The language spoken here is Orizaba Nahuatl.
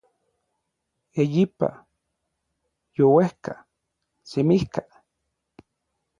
eyipa, youejka, semijka